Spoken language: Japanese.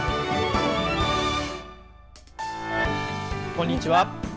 こんにちは。